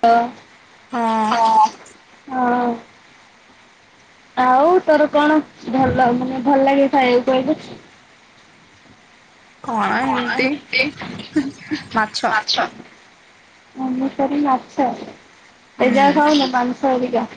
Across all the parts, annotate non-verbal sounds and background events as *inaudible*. ହ ହଁ ହଁ। ଆଉ ତୋର କଣ ଭଲ ମାନେ ଭଲ ଲାଗେ ଖାଇବାକୁ କହିଲୁ? କଣ ହଁ ଏମିତି ମାଛ। ମାଛ ଏଜା ହୁଁ ଖାଉନ ମାଂସ ହରିକା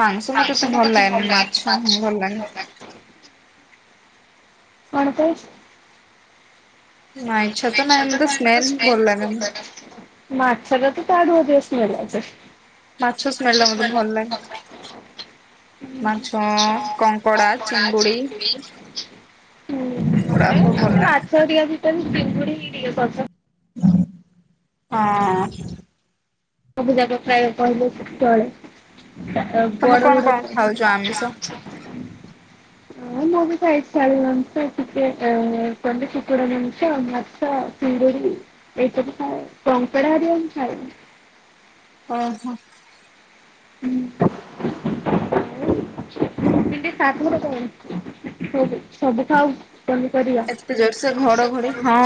ମାଂସ ମତେ ଏତେ ଭଲ ଲାଗେନି ମାଛ ହଁ ଭଲ ଲାଗେ କଣ ତ ନାଇଁ ଇଚ୍ଛା ମାଛ ଟା ତ ତା ଠୁ ଅଧିକ ସୁଆଦ ମାଛ ଆଛ ଟା ମତେ ସ୍ମେଲ ଆ ଭଲ ହ ଲାଗେ। ମାଛ କଙ୍କଡା କପଡା ଚିଙ୍ଗୁଡି ଚିଙ୍ଗୁଡି ବଡ଼ାପ ଗଲା ଟିକେ ଭିନୁଡି ହି ଟିକେ କରି ହଁ ସବୁଜାକ ପ୍ରାୟ କହିଲେ ଚଳେ ତମେ ବଡ କଣ ବଡ କଣ ଖାଉଛ ଆମିଷ? ହଁ ମଗ କ ଆଇତ ଆଳ ନମସ ଟିକେ ଅ କଣ୍ଡିତି କୁଡ଼ା ନମିଷ ମଛ ସିଙ୍ଗୁଡି ଏଇଟବୁ ଖାଏ କଙ୍କଡା ହାରଆ ବି ଖାଏ ଓହୋ ହୁଁ ଠର କ ସବୁ ସବୁ ଖାଉ ପନିପରିବା ଏତେ ଜୋରସୋ ଘଡଘଡି ହଁ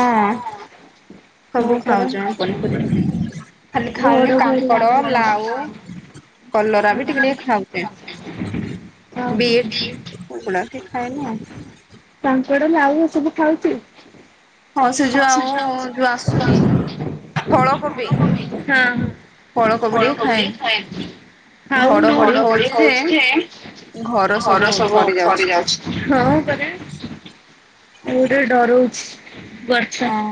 ସବୁ ହଁ ଖାଉଛ ପନିପରିବା ଖାଲି ଖାଉନି ଘଡଘଡି ହଁ କାଙ୍କଡ ଲାଉ କଲରା ବି ଟିକେ ଟିକେ ଖାଉଛେ ପେଟ କୁକୁଡ଼ା ସେ ଖାଇଏନ ଆଉ ତାଙ୍କଡେ ବି ଆଉ ସବୁ ଖାଉଥିଲୁ ହଁ ସେ ଯୋଉ ଳୋ ଆଉ ଯୋଉ ଆସୁନି ଫଳକୋବି ହ ହ ଟିକେ ଫଳକୋବି ଖାଏନି। ଖାଇଛି ଘଡଘଡି ହଉଛି ଯେ ଘର ସବୁ ସଡି ଯାଉଛି ହଁ କରେ ମୁଟେ ଡରଉଛି ବର୍ଛ ହଁ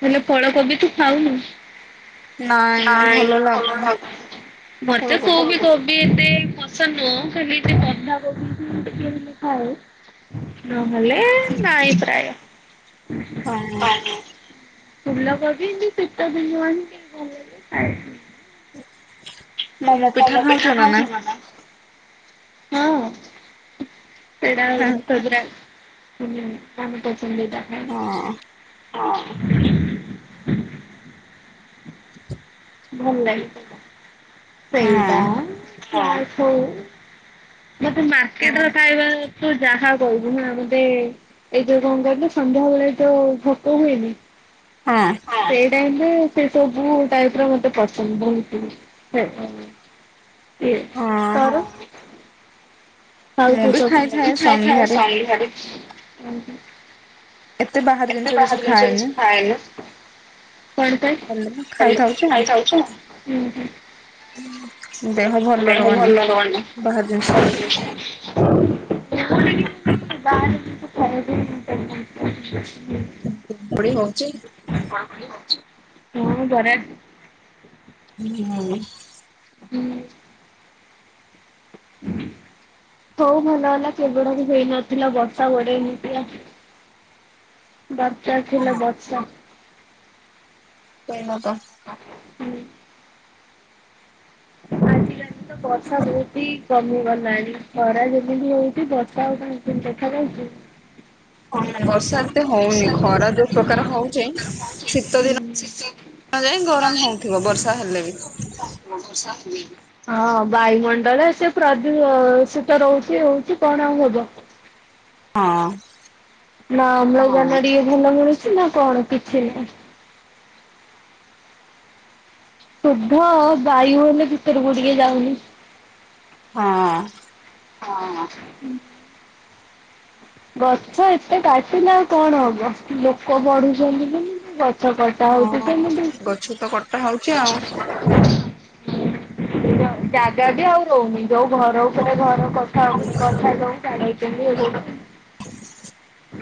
ହେଲେ ପଳକୋବି ତୁ ଖାଉନୁ? ନାଇଁ ଭଲ ଲାଗୁନି ମତେ ଫଳକୋବି। କୋଉବି କୋ ତେ ଏତେ ପସନ୍ଦ ନୁହଁ ଖାଲି ବନ୍ଧାକୋବିକୁ ଟିକେ ମୁଁ ଖାଏ। ନହଲେ ନାଇଁ ପ୍ରାୟ। ହଁ। ଫୁଲକୋବି ଏମିତି ଶୀତ ଦିନ ଏମିତି ଭଲ ଲାଗେ ଖାଏ। ମୋମୋ ପିଠା ଖାଉଛୁ ନା ନାଇଁ? ହଁ *unintelligible* ହଁ ହୁଁ ଆମେ ପସନ୍ଦିତା *unintelligible* ହଁ। ଅ। ଭଲ ଲାଗେ ସେଇଟା ସେଇଟା ଆଉ ହୋଉ ମତେ ମାର୍କେଟ ର ଖାଇବା ତୁ ଯାହା କହିବୁ ନା ମତେ ଏଇ ଯୋଉ କଣ କହିଲୁ ସନ୍ଧ୍ୟାବେଳେ ଯୋଉ ଭୋକ ହୁଏନି। ହଁ। ସେଇ ଟାଇମ ରେ ସେ ସବୁ ପାଇ ସବୁ ମତେ ପସନ୍ଦ ବୋହୁତ ହୋଉଛି। ହଁ। *unintelligible* ବି ମୁଁ ଖାଇଥାଏ ଖାଏ ଖାଏ ସନ୍ଧ୍ୟାରେ ଶନିବାରେ। ଏତେ ବାହାର ଜିନିଷ ଏତେ କିଛି ବାହାର ଜିନିଷ ଖାଏନି। କିଛି ଖାଏନି। କଣ ହେଲେ ବି ଖାଇଥାଉଛି ପାଇଁ? ଆଉ ଉଁ ହୁଁ। ଦେହ ଦେହ ଭଲ ରହୁନି ବାହାର ଜିନିଷ ଖାଇଲେ। *unintelligible* ବାହାର ଜିନ୍ସ ଖାଇବା ପାଇଁ *inaudible* ଉଁ ପଡ଼ି ଗଉଚି? ହଁ ମୁଁ ଘରେ ହୁଁ ହଁ ହୁଁ। ହୋଉ ଭଲ ହେଲା କେବଳ ବି ହେଇନଥିଲା ବର୍ଷା ଗଡ଼େଇ ନେଇଥିଲା। ଦରକାର ଥିଲା ବର୍ଷା। ସେଇଟା ତ। ହୁଁ। *unintelligible* ତ ବର୍ଷା ବୋହୁତ ହି କମିଗଲାଣି ଖରା ଯେମିତି ହୋଉଛି ବର୍ଷା ଆଉ କାଇଁ ଦେଖାଯାଉଛି। ହ ହଁ ବର୍ଷା ଏତେ ହଉନି ଖରା ଯୋଉ ପ୍ରକାର ହଉଚି ଶୀତ ଦିନ ଆ ଯାଇଁ ଗରମ ହଉଥିବ ବର୍ଷା ହେଲେ ବି। ବର୍ଷା ହୋଉଚି। ହଁ ବାୟୁମଣ୍ଡଳ ସେ ପ୍ରଦୂଷିତ ରହୁଛି ହୋଉଛି କଣ ଆଉ ହବ। ହଁ। ନା ଅମ୍ଳଜାନ ଟିକେ ଭଲ ମିଳୁଛି ନା କଣ କିଛି ନାଇଁ। ଶଦ୍ଧ ବାୟୁ ହେଲେ ଭିତରକୁ ଟିକେ ଯାଉନି। ହଁ। ହଁ। ଗଛ ଏତେ କାଟିଲେ ଆଉ କଣ ହବ ଲୋକ ବଢ଼ୁଛନ୍ତି *unintelligible* ଗଛ କଟା ହଉଛି ହଁ ଗଛ ତ କଟା ହଉଛି ଆଉ ସେମିତି। ଜ-ଜାଗା ବି ଆଉ ହଉନି ଯୋଉ ଘର ଉପରେ ଘର କଠା ଉପରେ କଠା ଯୋଉ ବାଡ଼େଇ ଛନ୍ତି *unintelligible* *unintelligible*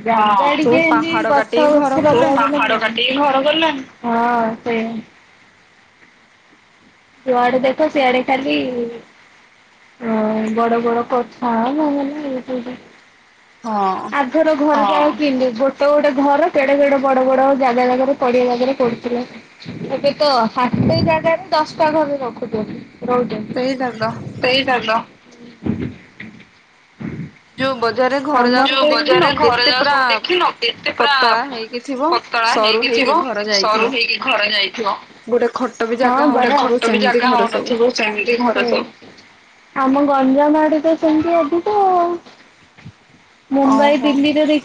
ସବୁ ଟିକେ ଏମିତି ପାହାଡ ଗଛ କାଟିକି ଘର ବୁର୍ଚ୍ଛ ଲଗେଇଲେ କଲେଣି। *unintelligible* ଦେଇ ଘର କଲଣି ହଁ ସେଇ ଯୁଆଡେ ଦେଖ ସିଆଡେ ଖାଲି ହ ବଡ ବଡ କଛ ମଇ ସବ ହଁ। ଆଘର ଘର ଜାକ କିନ୍ତି ଗୋଟେ ଗୋଟେ ଘର କେଡେ କେଡେ ବଡ ବଡ ଜାଗା ଜାଗାରେ ପଡିଆ ଜାଗାରେ ପଡୁଥିଲା। ଏବେ ତ ଫାଶ ଜାଗାରେ ଦଶଟା ଘରେ ରଖୁଛନ୍ତି ରହୁଛନ୍ତି ସେଇଟା ତ ସେଇଟା ତ ଯୋଉ ବଜାରରେ ଆ ଘର ଯାକ ସବୁ ଦେଖିନ ବଜାରରେ ଘର କେତେ ଯାହା ପୁରା ସବୁ ଦେଖିନ ଏତେ ପୁରା ପତଳା ହେଇକି ଥିବ ପତଳା ସରୁ ହେଇକି ଥିବ ଘର ଯାଇଥିବ। ସରୁ ହେଇକି ଘରେ ଯାଇଥିବ। ଗୋଟେ ଖଟ ବି ଜାଗା ହଁ ବ ହଉନଥିବ ଘଣ୍ଟ ବି ସେମିତି ଜାଗା ଘର ସବୁ। ହଉନଥିବ। ଆମ ଗଞ୍ଜାମ ଆଡେ ତ ସେମିତି ଅଧିକ ଆଉ। ମୁମ୍ବାଇ ଓହୋ ଦିଲ୍ଲୀରେ ଦେ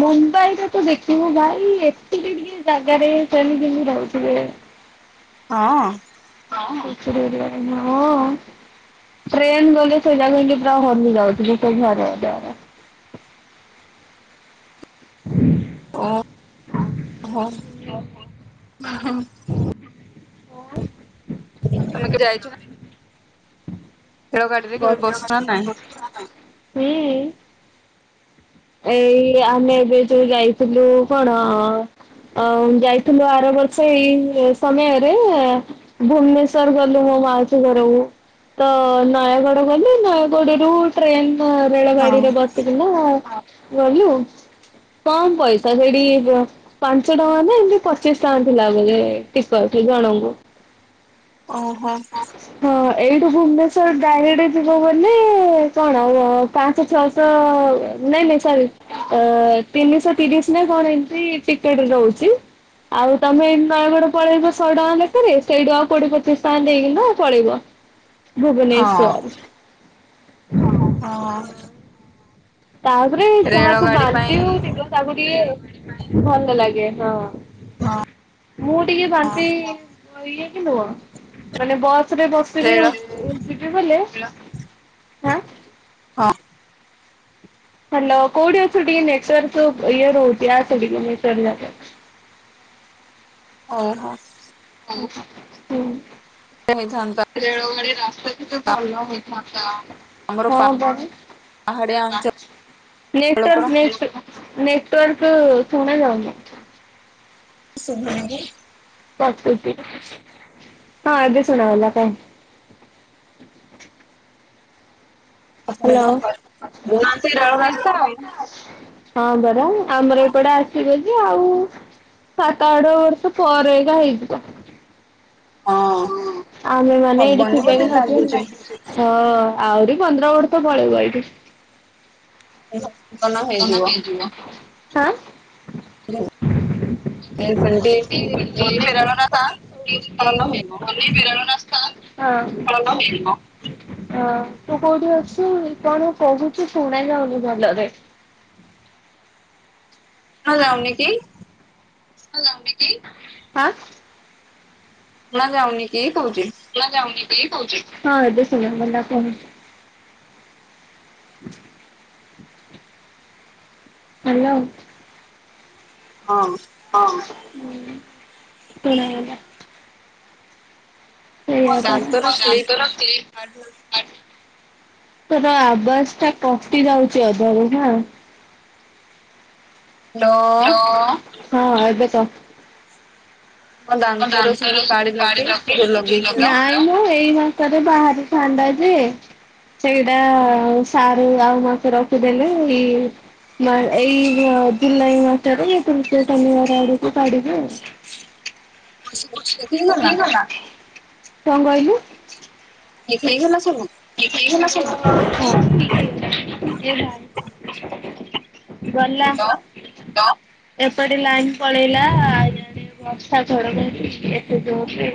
ମୁମ୍ବାଇରେ ତ ଦେଖିବୁ ଭାଇ ଏତିକି ଟିକେ ଜାଗାରେ ସେଣିକମି ରହୁଥିବେ। ହଁ। କଚ ହ *unintelligible* ଟ୍ରେନ୍ ଗଲେ ସେଇ ଜାଗ ହେକି ପୁରା ହୋଲି ଯାଉଛି ଗୋତ ଘରେ। ହୁଁ *inaudible* ହଁ। ଓୋ *unintelligible* ଓ ହ ତମେ କେ ଯାଇଛ ନା? ରେଳ ଗାଡିରେ କେବେ ବସିଛ ନା ନାଇଁ? ହୁଁ। ଏଇ ଆମେ ଏବେ ଯୋଉ ଯାଇଥିଲୁ କଣ? ଆଉ ଯାଇଥିଲୁ ଆର ବର୍ଷ ଏଇ ସମୟରେ ଭୁବନେଶ୍ଵର ଗଲୁ ମୁଁ ମାଉଛୁ ଘରଉ। ତ ନୟାଗଡ ଗଲୁ ନୟାଗଡରୁୁ ଟ୍ରେନ୍ ହଁ ରେଳଗାଡିରେ ବସିକି ଗଲୁ। କଣ ପଇସା ସେଠିଇଯ ପାଞ୍ଚ ଟଙ୍କା ନା ଏମତି ପଚିଶ ଟଙ୍କା ଥିଲା ବ ଟିକଠ ଜଣଙ୍କୁ। ଓହୋ। ହଁ ଏଇଠୁ ଭୁବନେଶ୍ଵର ଡାଡ ଯିବ ବୋଲି କଣ ହବ? ପାଞ୍ଚ ଛଅଶହ ନାଇଁ ନାଇ ସ ତିନିଶ ତିରିଶ ନା କଣ ଏମତି ଟିକେଡରେ ରହୁଛି। ଆଉ ତମେ ନୟାଗଡ଼ ପଳେଇବ ଶହେ ଟଙ୍କା ଲେଖରେ ସେଇଠୁ ଆଉ କୋଡିଏ ପଚିଶ ଟଙ୍କା ନେଇକି ପଳେଇବ। ହଁ ଭୁବନେଶ୍ଵର ହଁ। ତାପରେ ଯାହାକୁ ରେଳଗାଡି ବାନ୍ତି ପାଇଁ ହଉଛିିବ ତାକୁ ଟିକେ ଭଲ ଲାଗେ ହଁ। ମୁଁ ଟିକେ ବାନ୍ତି ଇଏ କି ନୁହ ମାନେ ବସ ରେ ବ ରେଳ ଯିବ ବଲେ ହଁ। ହ୍ୟାଲ କୋଉଠି ଅଛୁ ଟିକେ ନେଟୱର୍କ ଟା ଇଏ ରହୁଛି ଆସେ ଟିକେ ନେଟୱର୍କ ଯାଗକୁ। ଓହୋ। ହୁଁ। ଯାଇ ଥାଆନ୍ତା। ରେଳ ଗାଡ଼ି ରାସ୍ତା ତ ଭଲନ ହୋଇତ ନାତା। ଆମର ହଁ ପାହାଡିଆ ଅଞ୍ଚଳ ପରା ନେଟୱର୍କ ନେଟୱର୍କ ଶୁଣା ଯାଉନି। ସୁଭଙ୍ଗେ ହଁ ଏବେ ଶୁଣା ଗଲା। ହାଲୋ ମୁନା ସେ ରଳ ରାସ୍ତା ହଁ ବରା ଆମର ଏପଟେ ଆସିବ ଯେ ଆଉ ସାତ ଆଠ ବର୍ଷ ପରେ ଏକା ହେଇଯିବ। ହଁ ଆମେ ମାନେ ଏଟି ହବନି ଥିବାକି ବୋଧେ ନ ଲାଗୁଛି ଥିବା। ହଁ ଆହୁରି ପନ୍ଦର ବର୍ଷ ପଳେଇବ ଏଇଠି। ଭୂସ୍ଖଳନ ତମ ହେଇଯିବ *unintelligible* ହା। *unintelligible* ହେଇଯିବ *unintelligible* ପ୍ରେରଣା ସ୍ଥା ସ୍ଳନ ହେଇଯିବ। ଅ ତୁ କୋଉଟି ଅଛୁ କଣ କହୁଚୁ ଶୁଣା ଯାଉନି ଭଲରେ। ଣା ଯାଉ ନି କି? ସୁନା ଯାଉନି କି ହା। ଶୁଣା ଯାଉନି କି କୋହୁଚି। ଶୁଣା ଯାଉନି କି କୋହୁଚି ଏବେ ଶୁଣା ଗଲା। ହ୍ୟାଲୋ। ହଁ। ହଁ ଶୁଣାଗଲା। ମୋ ସେଇଆ ପରା। ଦାନ୍ତର କ୍ଲିପ୍ ତର ଆବାସ ଟା କଟି ଯାଉଚି ଅଧାରୁ ନା। ହେଲୋ ହ୍ୟାଲୋ ହଁ ଏବେ ତ ମୋ ଦାନ୍ତର ଦାନ୍ତ ସବୁ ର କାଳି ସେମତି ପାଢ଼ୀ ଲଗେଇ ଯୋଉ ପକେଇ ଚି ଲଗେଇ ଲଗେଇଥିଲ *unintelligible* ମୁଁ ଏଇ ମାସରେ ବାହାରି ଥାଆନ୍ତା ଯେ ସେଇଟା ସାରୁ ଆଉ ମାସେ ରଖିଦେଲେ ଏଇ ଏଇ ଜୁଲାଇ ମାସରେ ତୁର୍ତିୟ ଶନିବାର ଆଡକୁ କଢିବେ ଆଉ। ସବୁ ଠିକ୍ ହେଇଗଲା? କିଏ ଗଲା କଣ କହିଲୁ। ହେଇ ଖଇଗଲା ସବୁ। ଇଏ ହେଇଗଲା ସବୁ। *unintelligible* ଗଲା। ହାଲୋ ତ ଏପଟେ ଲାଇନ୍ ପଳେଇଲା ଇଆଡେ ବର୍ଷା ଘଡ ଘଡି ବି ଏତେ ହଁ।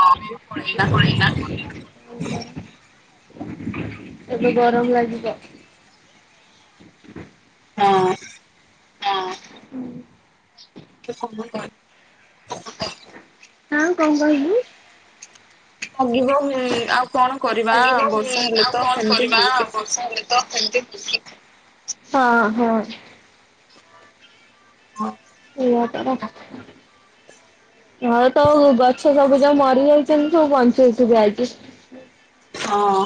ଏପଟେ ବି ପଳେଇଲା ହଁ କଣ ଏବେ ଗରମ ଲାଗିବ। ହଁ। ହଁ। *inaudible* ହଁ କଣ କହିଲୁ। *unintelligible* ଆଉ କଣ କରିବା ବର୍ଷା ହେଲେ ତ ସେମିତି ହୋଉଚି। ହଁ ହଁ। ହଁ। ମୋ ତ *unintelligible* ହଉ ତ ଗଛ ସବୁ ଯୋଉ ମରି ଯାଇଚନ୍ତି ସବୁ ବଞ୍ଚେଇକିରି ଆଇଚି। ହଁ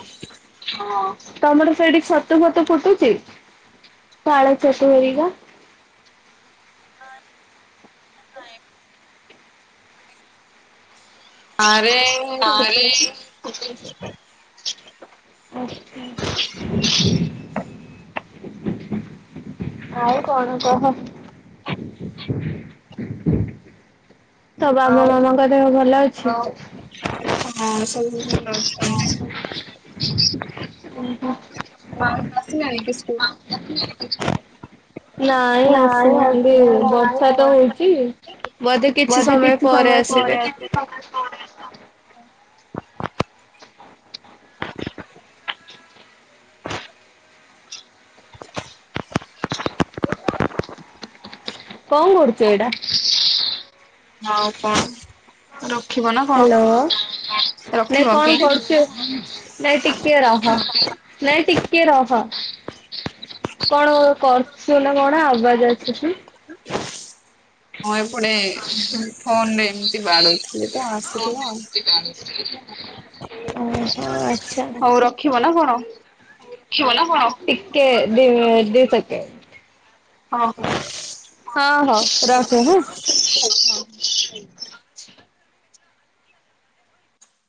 ତମର ସେଇଟି ଛତୁ ଫତୁ ଫୁଟୁଚି। ପାଳ ଛତୁ ହରିକା। ନାଇଁ। ଆରେ *unintelligible* ଓ। ଆଉ କଣ କହ। ତ ବାମା ଆଉ ମାମାଙ୍କ ଦେହ ଭଲ ଅଛି। ହଁ ସବୁଭଲ। *unintelligible* ମାଉସି ଆସିଲାଣିକି ସ୍କୁଲରୁ। ନାଇଁ ଆସିନାହାନ୍ତି ବର୍ଷା ତ ହୋଉଚି। ବୋଧେ କିଛି ସମୟ ପରେ ଆସିବେ। କଣ କରୁଛ ଏଇଟା। ହଁ କଣ ର ହ୍ୟାଲୋ ରଖିବ ନାଇଁ କଣ କି? କରୁଛୁ ନାଇ ଟିକେ ରହ ନାଇ ଟିକେ ରହ। କଣ କଣ କରୁଛୁ ନା କଣ ଆବାଜ ଆସୁଛି। ହଁ ଏପଟେ ଫୋନ ରେ ଏମିତି *inaudible* ବାଡଉଥିଲି ତ ଆସୁଥିଲା ଆଉ। ଓହ ଆ ହଉ ରଖିବ ନା କଣ? ରଖିବ ନ କଣ? ଟିକେ ଦି ମିନଟ୍ ଦି ସେକେଣ୍ଡେ। ଓ ହୋ। ହଁ ହଉ ରଖେ ହୁଁ।